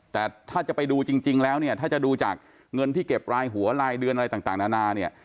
แต่ถ้าจะไปดูจริงแล้วเนี่ยถ้าจะดูจากเงินที่เก็บรายหัวรายเดือนอะไรต่างนานาเนี่ย